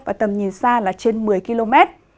và tầm nhìn xa là trên một mươi km